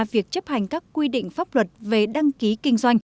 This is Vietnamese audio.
việc chấp hành các quy định pháp luật về đăng ký kinh doanh